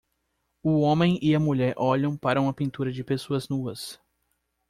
O homem e a mulher olham para uma pintura de pessoas nuas.